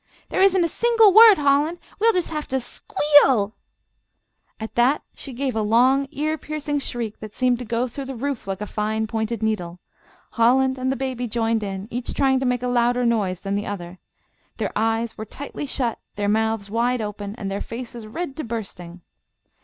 "There isn't a single word, Holland; we'll just have to squeal!" At that she gave a long, ear piercing shriek that seemed to go through the roof like a fine pointed needle. Holland and the baby joined in, each trying to make a louder noise than the other. Their eyes were tightly shut, their mouths wide open, and their faces red to bursting.